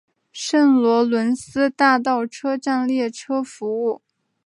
圣罗伦斯大道车站列车服务。